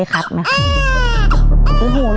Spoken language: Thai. ลองกันถามอีกหลายเด้อ